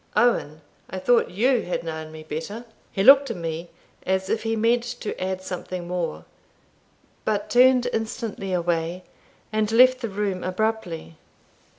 Owen, I thought you had known me better." He looked at me as if he meant to add something more, but turned instantly away, and left the room abruptly.